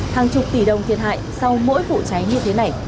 hàng chục tỷ đồng thiệt hại sau mỗi vụ cháy như thế này